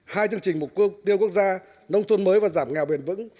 hai chương trình mục tiêu quốc gia nông thôn mới và giảm nghèo bền vững